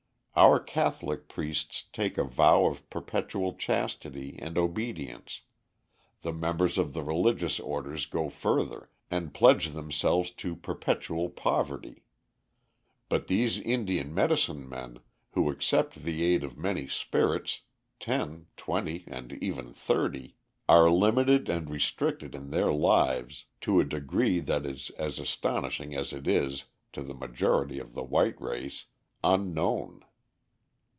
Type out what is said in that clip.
Our Catholic priests take a vow of perpetual chastity and obedience, the members of the religious orders go further and pledge themselves to perpetual poverty, but these Indian medicine men, who accept the aid of many spirits, ten, twenty, and even thirty, are limited and restricted in their lives to a degree that is as astonishing as it is, to the majority of the white race, unknown.